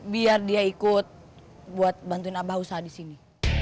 biar dia ikut buat bantuin abah usaha di sini